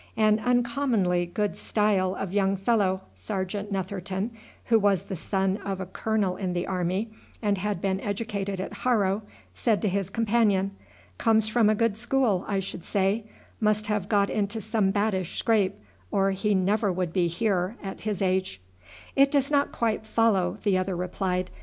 "An uncommonly good style of young fellow," Sergeant Netherton, who was the son of a colonel in the army, and had been educated at Harrow, said to his companion. "Comes from a good school, I should say. Must have got into some baddish scrape, or he never would be here at his age." "It does not quite follow," the other replied.